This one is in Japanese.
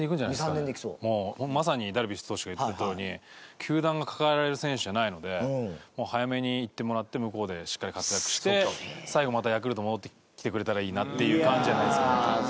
まさにダルビッシュ投手が言ってたとおり球団が抱えられる選手じゃないので早めに行ってもらって向こうでしっかり活躍して最後またヤクルト戻ってきてくれたらいいなっていう感じじゃないですかね。